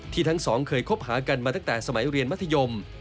ทั้งสองเคยคบหากันมาตั้งแต่สมัยเรียนมัธยม